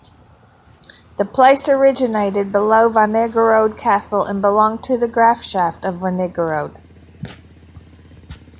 The place originated below Wernigerode Castle and belonged to the "Grafschaft" of Wernigerode.